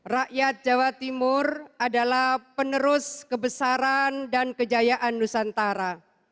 rakyat jawa timur adalah penerus kebesaran dan kejayaan nusantara